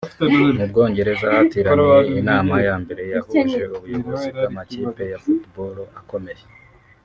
Mu Bwongereza hatiraniye inama ya mbere yahuje ubuyobozi bw’amakipe ya Football akomeye